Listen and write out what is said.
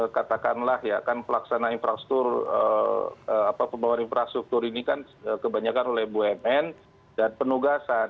katakanlah ya kan pelaksanaan infrastruktur pembangunan infrastruktur ini kan kebanyakan oleh bumn dan penugasan